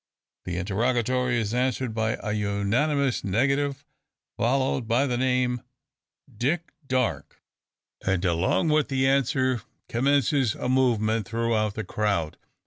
The interrogatory is answered by a unanimous negative, followed by the name, "Dick Darke." And along with the answer commences a movement throughout the crowd.